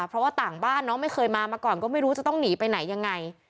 เพราะว่าต่างบ้านน้องไม่เคยมามาก่อนก็ไม่รู้จะต้องหนีไปไหนยังไง